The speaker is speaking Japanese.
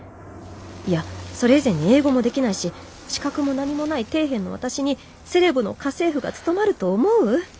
いやそれ以前に英語もできないし資格も何もない底辺の私にセレブの家政婦が務まると思う？